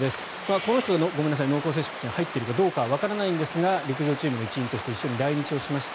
この人は濃厚接触者に入っているかどうかはわからないんですが陸上チームの一員として一緒に来日しました